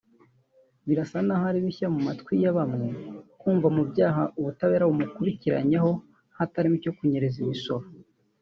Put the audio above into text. Birasa n’aho ari bishya mu matwi ya bamwe kumva mu byaha ubutabera bubakurikiranyeho hatarimo icyo kunyereza imisoro